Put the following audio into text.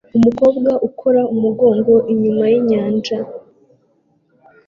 Umukobwa ukora umugongo inyuma yinyanja